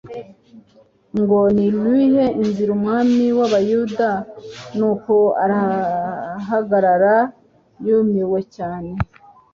ngo: Nluhe inzira Umwami w'abayuda. Nuko arahagarara, yumiwe cyane;